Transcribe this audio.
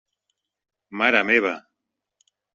Mare meva!